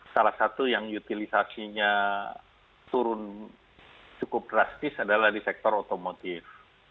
salah satu yang utilisasinya turun cukup drastis adalah di sektor otomotif